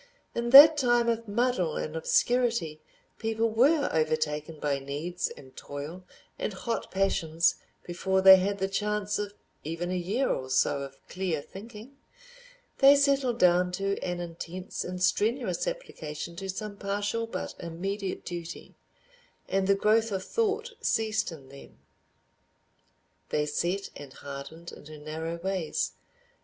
In that time of muddle and obscurity people were overtaken by needs and toil and hot passions before they had the chance of even a year or so of clear thinking; they settled down to an intense and strenuous application to some partial but immediate duty, and the growth of thought ceased in them. They set and hardened into narrow ways.